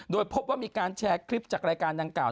โดยพบว่ามีการแชร์คลิปจากรายการดังกล่า